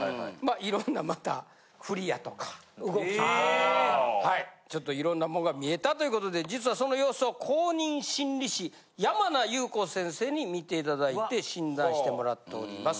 色んなまたフリやとか動きではいちょっと色んなもんが見えたということで実はその様子を公認心理師山名裕子先生に見て頂いて診断してもらっております。